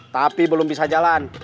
tapi belum bisa jalan